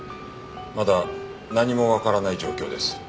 まだ何もわからない状況です。